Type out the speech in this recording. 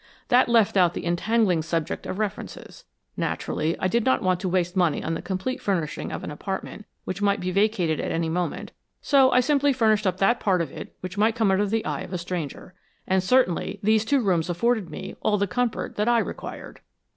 That left out the entangling subject of references. Naturally, I did not want to waste money on the complete furnishing of an apartment which might be vacated at any moment, so I simply furnished up that part of it which might come under the eye of a stranger. And certainly these two rooms afforded me all the comfort that I required."